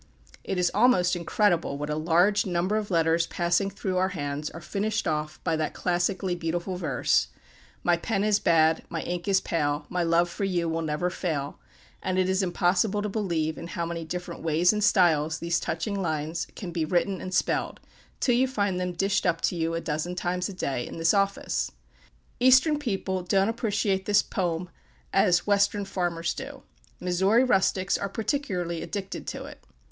It is almost incredible what a large number of letters passing through our hands are "finished off" by that classically beautiful verse "My pen is bad, my ink is pale; my love for you will never fail" and it is impossible to believe in how many different ways and styles these touching lines can be written and spelled, till you find them dished up to you a dozen times a day, in this office. Eastern people don't appreciate this "pome" as Western farmers do. Missouri rustics are particularly addicted to it.